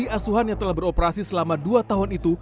asuhan yang telah beroperasi selama dua tahun itu